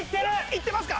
いってますか？